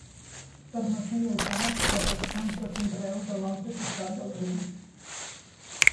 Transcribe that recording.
Permetia el pas cap als camps de conreu de l'altre costat del riu.